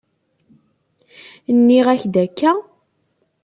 Nniɣ-ak-d akka?